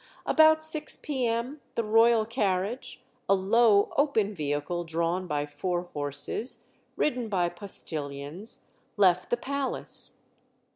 About six p.m. the royal carriage, a low open vehicle drawn by four horses, ridden by postilions, left the palace.